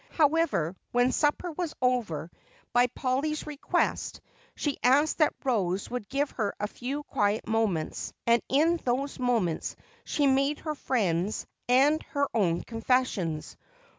However, when supper was over, by Polly's request, she asked that Rose would give her a few quiet moments and in those moments she made her friend's and her own confessions.